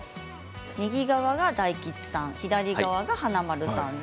右側が大吉さん、左側が華丸さん。